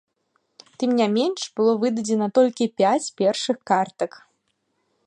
Тым не менш было выдадзена толькі пяць першых картак.